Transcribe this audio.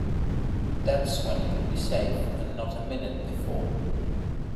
That's when he'll be safe and not a minute before.